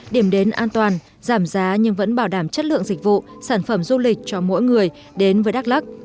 điểm đến an toàn giảm giá nhưng vẫn bảo đảm chất lượng dịch vụ sản phẩm du lịch cho mỗi người đến với đắk lắc